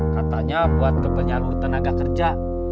katanya buat kepenyalur tenaga kerja